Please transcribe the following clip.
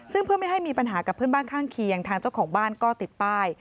ซึ่งเพื่อไม่ให้มีปัญหากับเพื่อนบ้านข้างเคียงทางเจ้าของบ้านก็ติดป้าย